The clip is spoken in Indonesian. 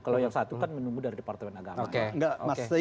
kalau yang satu kan menunggu dari departemen agama